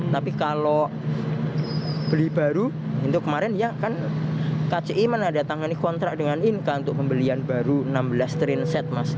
tapi kalau beli baru itu kemarin ya kan kci menandatangani kontrak dengan inka untuk pembelian baru enam belas train set mas